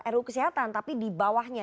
ru kesehatan tapi di bawahnya